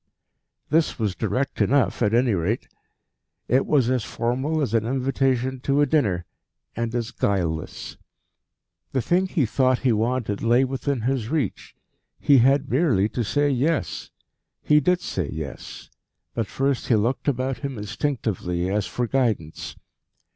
This was direct enough at any rate. It was as formal as an invitation to a dinner, and as guileless. The thing he thought he wanted lay within his reach. He had merely to say yes. He did say yes; but first he looked about him instinctively, as for guidance.